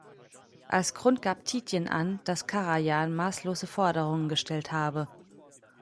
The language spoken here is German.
Als Grund gab Tietjen an, dass Karajan maßlose Forderungen gestellt habe.